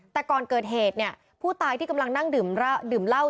แต่ก่อนเกิดเหตุเนี่ยผู้ตายที่กำลังนั่งดื่มเหล้า